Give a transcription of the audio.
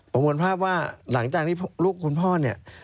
มวลภาพว่าหลังจากที่ลูกคุณพ่อเนี่ย